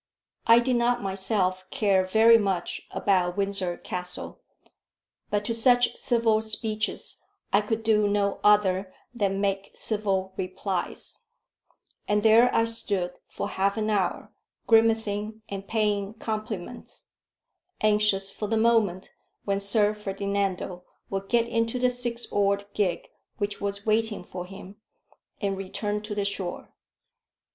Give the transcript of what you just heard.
I did not myself care very much about Windsor Castle; but to such civil speeches I could do no other than make civil replies; and there I stood for half an hour grimacing and paying compliments, anxious for the moment when Sir Ferdinando would get into the six oared gig which was waiting for him, and return to the shore.